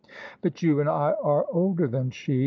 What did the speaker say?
But you and I are older than she.